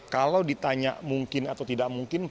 kalau ditanya mungkin atau tidak mungkin